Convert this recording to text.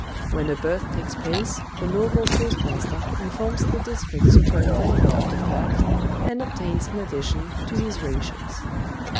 When a birth takes place, the local postmaster informs the district superintendent of the fact, and obtains an addition to his rations.